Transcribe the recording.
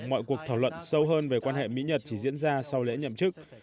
mọi cuộc thảo luận sâu hơn về quan hệ mỹ nhật chỉ diễn ra sau lễ nhậm chức